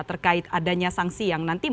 terkait adanya sanksi yang nanti